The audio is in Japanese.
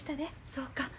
そうか。